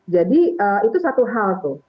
jadi itu satu hal tuh